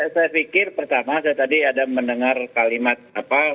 saya pikir pertama saya tadi ada mendengar kalimat apa